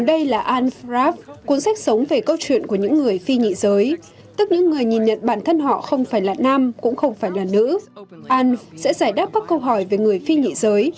al sẽ giải đáp các câu hỏi về người phi nhị giới